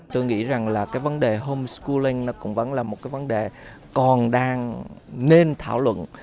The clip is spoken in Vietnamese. tôi nghĩ rằng là cái vấn đề home scorenk nó cũng vẫn là một cái vấn đề còn đang nên thảo luận